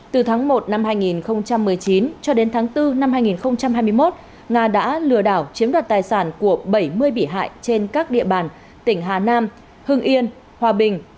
từ tháng một năm hai nghìn một mươi chín cho đến tháng bốn năm hai nghìn hai mươi một nga đã lừa đảo chiếm đoạt tài sản của bảy mươi bị hại trên các địa bàn tỉnh hà nam hưng yên hòa bình